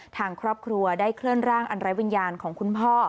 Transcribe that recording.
ทางครอบครัวได้เคลื่อนร่างอันไร้วิญญาณของคุณพ่อ